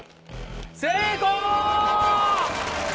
成功！